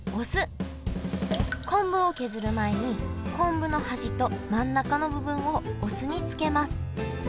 昆布を削る前に昆布の端と真ん中の部分をお酢に漬けます。